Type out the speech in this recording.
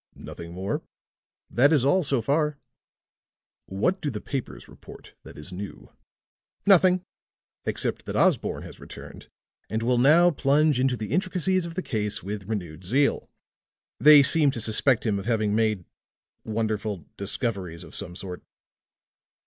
"Nothing more?" "That is all, so far." "What do the papers report that is new?" "Nothing, except that Osborne has returned and will now plunge into the intricacies of the case with renewed zeal. They seem to suspect him of having made wonderful discoveries of some sort."